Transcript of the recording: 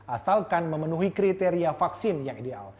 asalkan memenuhi kriteria vaksin yang ideal